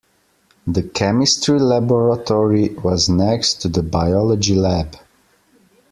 The chemistry laboratory was next to the biology lab